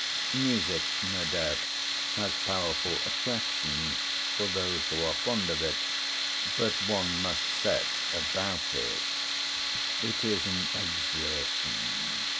Music, no doubt, has powerful attractions for those who are fond of it, but one must set about it it is an exertion.